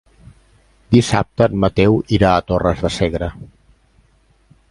Dissabte en Mateu irà a Torres de Segre.